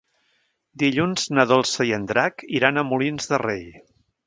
Dilluns na Dolça i en Drac iran a Molins de Rei.